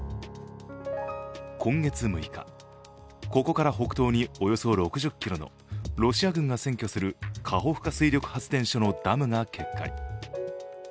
今月６日、ここから北東におよそ６０ｋｍのロシア軍が占拠するカホフカ水力発電所のダムが決壊。